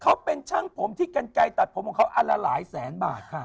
เขาเป็นช่างผมที่กรรไกรตัดผมของเขาร้ายแสนบาทค่ะ